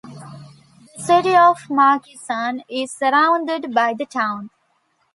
The city of Markesan is surrounded by the town.